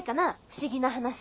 不思議な話。